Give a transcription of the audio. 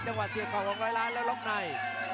จังหวะเสียบของร้อยล้านแล้วล้อมใน